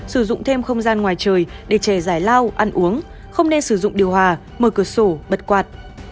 sử dụng thêm không gian ngoài trời để trẻ giải lao ăn uống không nên sử dụng điều hòa mở cửa sổ bật quạt